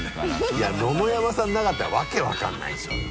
いや野々山さんなかったら訳分からないでしょうよ。